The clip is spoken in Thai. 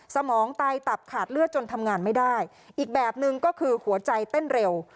สมองไตตับขาดเลือดจนทำงานไม่ได้อีกแบบหนึ่งก็คือหัวใจเต้นเร็ว